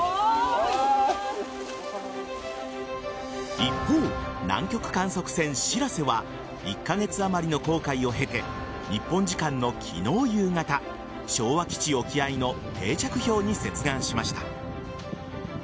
一方、南極観測船「しらせ」は１カ月あまりの航海を経て日本時間の昨日夕方昭和基地沖合の定着氷に接岸しました。